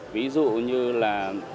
ví dụ như là